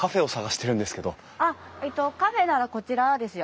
あっカフェならこちらですよ。